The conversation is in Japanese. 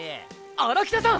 荒北さん！